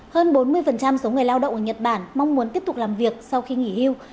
hơn bốn mươi số người lao động ở nhật bản mong muốn tiếp tục làm việc sau khi nghỉ hưu